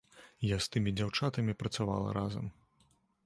Я з тымі дзяўчатамі працавала разам.